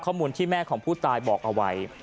ข้อมูลที่แม่ของผู้ตายบอกเอาไว้